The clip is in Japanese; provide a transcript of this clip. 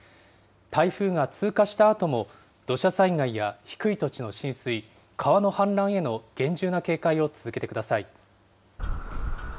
台風が通過したあとも、土砂災害や低い土地の浸水、川の氾濫への厳重な警戒を続けてください。